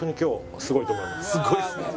これすごいですね。